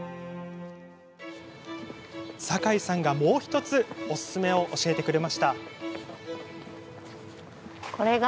酒井さんがもう１つおすすめを教えてくれました。